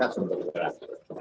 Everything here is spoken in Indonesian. itu juga akan menyebabkan